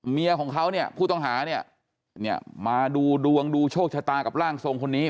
เมียของเขาเนี่ยผู้ต้องหาเนี่ยเนี่ยมาดูดวงดูโชคชะตากับร่างทรงคนนี้